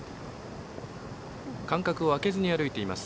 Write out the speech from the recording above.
間隔を空けずに歩いております。